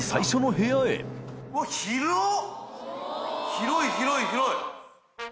広い広い広い！